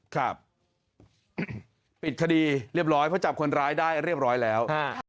ครับปิดคดีเรียบร้อยเพราะจับคนร้ายได้เรียบร้อยแล้ว